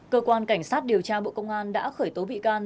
cơ quan cảnh sát điều tra bộ công an đã khởi tố bị can